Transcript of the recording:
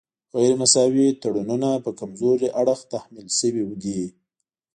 غیر مساوي تړونونه په کمزوري اړخ تحمیل شوي دي